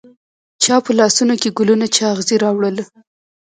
چا په لاسونوکې ګلونه، چااغزي راوړله